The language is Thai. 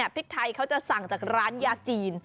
พริกไทยเขาจะสั่งจากร้านยาจีน